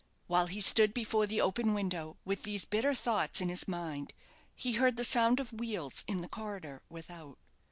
While he stood before the open window, with these bitter thoughts in his mind, he heard the sound of wheels in the corridor without.